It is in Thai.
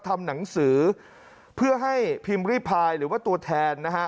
ทำหนังสือเพื่อให้พิมพ์ริพายหรือว่าตัวแทนนะฮะ